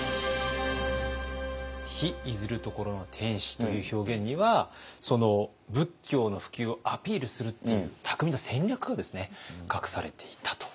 「日出ずる処の天子」という表現には仏教の普及をアピールするっていう巧みな戦略が隠されていたと。